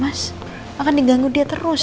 akan diganggu dia terus